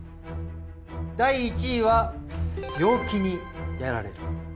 第１位は病気にやられる。